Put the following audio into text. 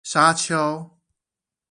沙丘